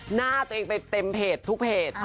หน้าตัวเองไปเต็มเพจทุกเพจ